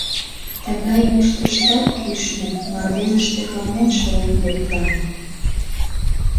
Тыгай йӱштыштат кӱшнӧ, мардежыште, кылмен шогылтметлан.